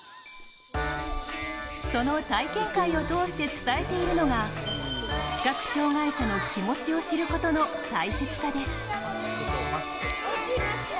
その体験会を通して伝えているのが視覚障がい者の気持ちを知ることの大切さです。